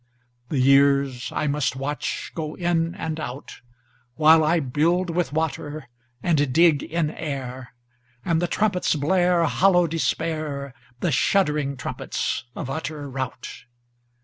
The years I must watch go in and out, While I build with water, and dig in air, And the trumpets blareHollow despair, The shuddering trumpets of utter rout.